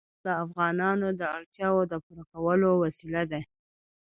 ګاز د افغانانو د اړتیاوو د پوره کولو وسیله ده.